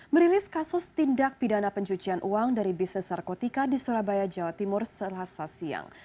merilis kasus tindak pidana pencucian uang dari bisnis narkotika di surabaya jawa timur selasa siang